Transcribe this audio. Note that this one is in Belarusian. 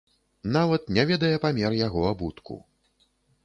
Нават не ведае памер яго абутку.